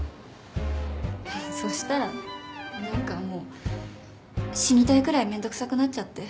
ふふっそしたら何かもう死にたいくらいめんどくさくなっちゃって。